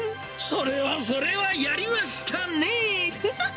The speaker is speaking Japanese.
それはそれは、やりましたね。